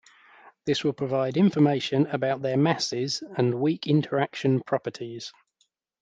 This will provide information about their masses and weak interaction properties.